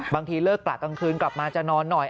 บางทีเลิกกะกลางคืนกลับมาจะนอนหน่อย